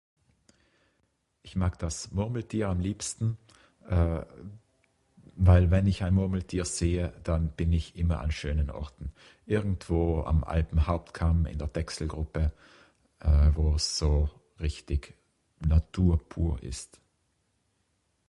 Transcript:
Ich mag das Murmeltier am liebsten, eh weil wenn ich ein Murmeltier sehe, dann bin ich immer an schönen Orten. Irgendwo am Alpenhauptkam in der Dechselgruppe eh wos so richtig Natur pur ist.